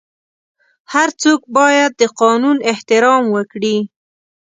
هر څوک باید د قانون احترام وکړي.